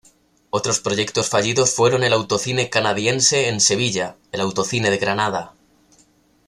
Otros proyectos fallidos fueron el autocine Canadiense en Sevilla, el autocine de Granada.